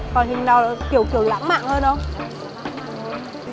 còn hình nào kiểu kiểu lãng mạn hơn không